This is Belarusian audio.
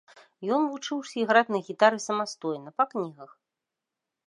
Ён вучыўся іграць на гітары самастойна, па кнігах.